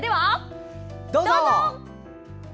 どうぞ！